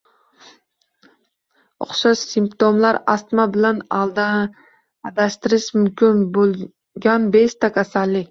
O‘xshash simptomlar: Astma bilan adashtirish mumkin bo‘lganbeshta kasallik